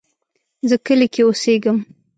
زه کلی کې اوسیږم